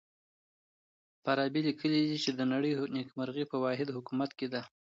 فارابي ليکلي دي چي د نړۍ نېکمرغي په واحد حکومت کي ده.